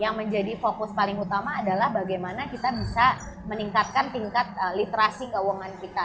yang menjadi fokus paling utama adalah bagaimana kita bisa meningkatkan tingkat literasi keuangan kita